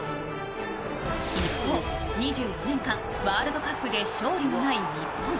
一方、２４年間ワールドカップで勝利のない日本。